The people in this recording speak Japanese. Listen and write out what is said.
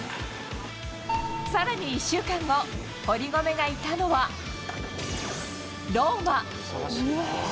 さらに１週間後、堀米がいたのは、ローマ。